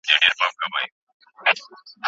له زکات پرته هم په مال کي د غریبو حق سته.